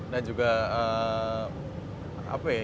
dan juga apa ya